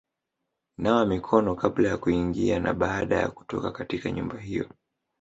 Nawa mikono kabla ya kuingia na baada ya kutoka katika nyumba hiyo;